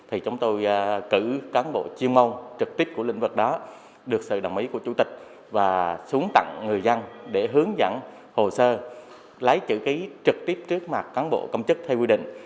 hồ sơ sẽ hướng dẫn hồ sơ lấy chữ ký trực tiếp trước mặt cán bộ công chức theo quy định